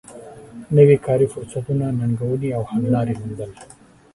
نوی کاري فرصتونه ننګونې او حل لارې موندل